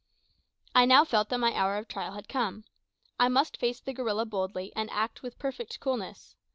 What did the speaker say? I now felt that my hour of trial had come. I must face the gorilla boldly, and act with perfect coolness.